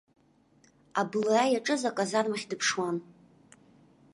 Абылра иаҿыз аказармахь дыԥшуан.